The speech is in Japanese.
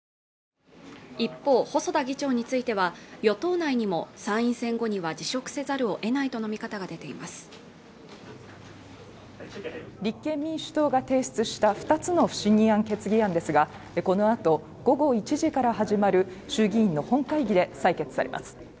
一方細田議長については与党内にも参院選後には辞職せざるを得ないとの見方が出ています立憲民主党が提出した２つの不信任決議案ですがこのあと午後１時から始まる衆議院の本会議で採決されます